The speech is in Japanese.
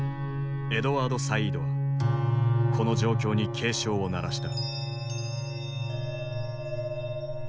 エドワード・サイードはこの状況に警鐘を鳴らした。